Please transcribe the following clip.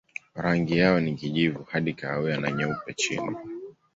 Rangi yao ni kijivu hadi kahawia na nyeupe chini.